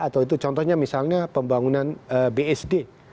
atau itu contohnya misalnya pembangunan bsd